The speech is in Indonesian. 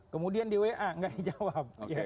kemudian di wa nggak dijawab